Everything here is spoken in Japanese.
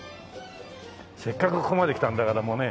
せっかくここまで来たんだからもうね